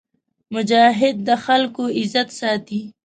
مجاهد د خلکو عزت ساتي.